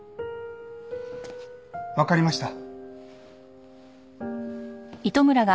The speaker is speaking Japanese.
わかりました。